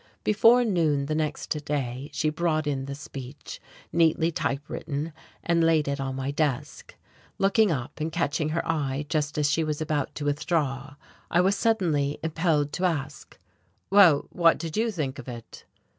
Before noon the next day she brought in the speech, neatly typewritten, and laid it on my desk. Looking up and catching her eye just as she was about to withdraw, I was suddenly impelled to ask: "Well, what did you think of it?"